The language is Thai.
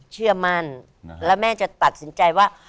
เชื่อมั่นแล้วแม่จะตัดสินใจว่า